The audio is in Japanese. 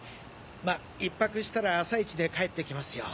まぁ１泊したら朝イチで帰って来ますよ。